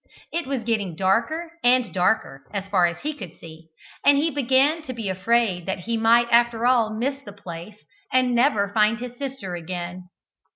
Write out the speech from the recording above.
It was getting darker and darker, as far as he could see, and he began to be afraid that he might after all miss the place and never find his sister again.